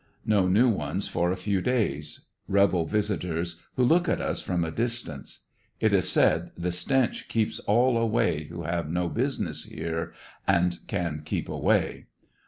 No new ones for a few days. Rebel visitors, who look at us from a distance. It is said the stench keeps all away who have no business here and can keep away.